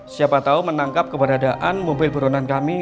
siapa tahu menangkap keberadaan mobil buronan kami